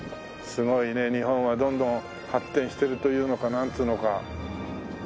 すごいね日本はどんどん発展しているというのかなんというのか。